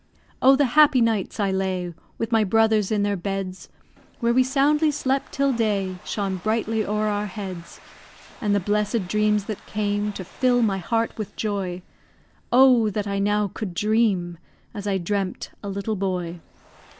Oh, the happy nights I lay With my brothers in their beds, Where we soundly slept till day Shone brightly o'er our heads. And the blessed dreams that came To fill my heart with joy. Oh, that I now could dream, As I dreamt, a little boy.